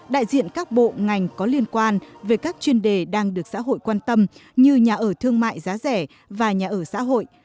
đại diện các bộ ngành có liên quan về các chuyên đề đang được xã hội quan tâm như nhà ở thương mại giá rẻ và nhà ở xã hội